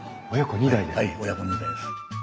はい親子２代です。